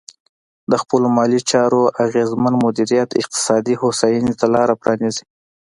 د خپلو مالي چارو اغېزمن مدیریت اقتصادي هوساینې ته لار پرانیزي.